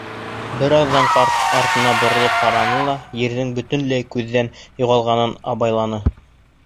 Бер аҙҙан ҡарт артына боролоп ҡараны ла ерҙең бөтөнләй күҙҙән юғалғанын абайланы.